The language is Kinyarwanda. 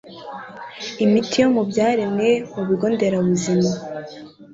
Imiti yo mu Byaremwe mu Bigo Nderabuzima